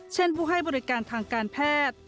เช่นผู้ให้บริการทางการแพทย์